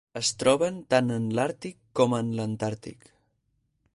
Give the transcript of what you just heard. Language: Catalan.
Es troben tant en l'Àrtic com en l'Antàrtic.